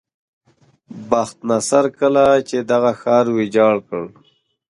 بخت نصر کله چې دغه ښار ویجاړ کړ.